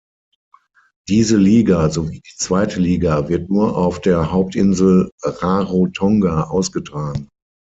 Diese Liga, sowie die zweite Liga, wird nur auf der Hauptinsel Rarotonga ausgetragen.